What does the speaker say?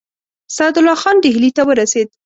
سعدالله خان ډهلي ته ورسېد.